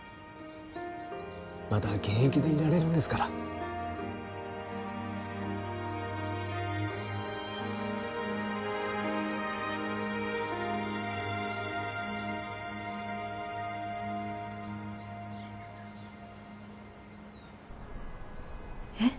まだ現役でいられるんですからえっ？